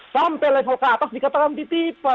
sampai level ke atas dikatakan titipan